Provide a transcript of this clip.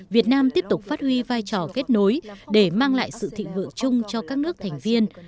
việt nam tiếp tục phát huy vai trò kết nối để mang lại sự thịnh vượng chung cho các nước thành viên